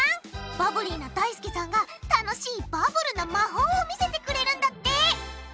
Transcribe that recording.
バブリーなだいすけさんが楽しいバブルな魔法を見せてくれるんだって！